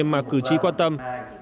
mà cử tri quan tâm